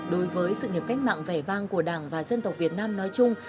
đối với sự nghiệp cách mạng vẻ vang của đảng và dân tộc việt nam nói chung